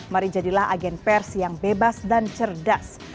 mari jadilah agen pers yang bebas dan cerdas